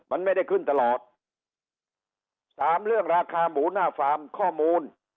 มันไม่ได้ขึ้นตลอดสามเรื่องราคาหมูหน้าฟาร์มข้อมูล